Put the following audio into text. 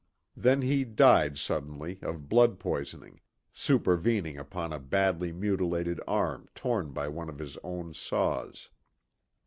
Then he died suddenly of blood poisoning, supervening upon a badly mutilated arm torn by one of his own saws.